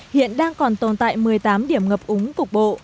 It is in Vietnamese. hiện đang còn tồn tại một mươi tám điểm ngập úng cục bộ